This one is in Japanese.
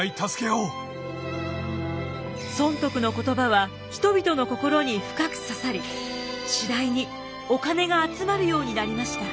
尊徳の言葉は人々の心に深く刺さり次第にお金が集まるようになりました。